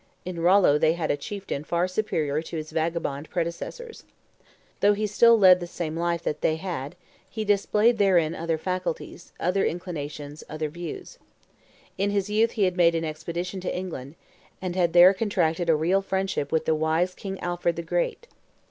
In Rollo they had a chieftain far superior to his vagabond predecessors. Though he still led the same life that they had, he displayed therein other faculties, other inclinations, other views. In his youth he had made an expedition to England, and had there contracted a real friendship with the wise King Alfred the Great.